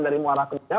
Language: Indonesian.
dari muara kemudian